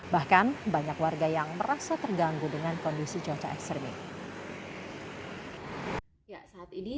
bahkan banyak warga yang merasa terganggu dengan kondisi cuaca ekstrim ini